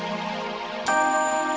i mean is bantuan